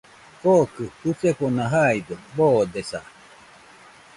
Kokɨ jusefona jaide boodesa.